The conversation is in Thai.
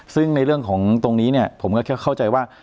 ซึ่งในเรื่องของตรงนี้ผมก็เข้าใจว่า